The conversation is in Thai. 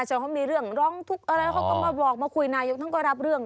ส่วนเขามีเรื่องร้องทุกข์อะไรเขาก็มาบอกมาคุยนายกท่านก็รับเรื่อง